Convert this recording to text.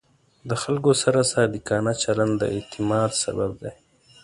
د خلکو سره صادقانه چلند د اعتماد سبب دی.